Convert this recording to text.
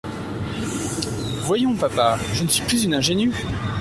Voyons, papa ; je ne suis plus une ingénue.